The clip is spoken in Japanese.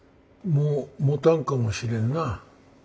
「もうもたんかもしれんな。